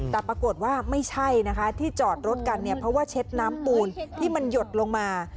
แต่ปรากฏว่าไม่ใช่นะคะที่จอดรถกันเนี่ยเพราะว่าเช็ดน้ำปูนที่มันหยดลงมา